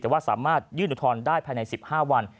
แต่ว่าสามารถยื่นอุทธรณ์ได้ภายใน๑๕วัน